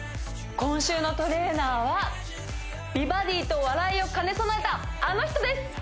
今週のトレーナーは美バディと笑いを兼ね備えたあの人です！